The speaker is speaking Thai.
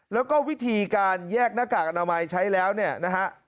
แล้วก็วิธีการแยกหน้ากากอนามัยใช้แล้วเนี่ยนะฮะ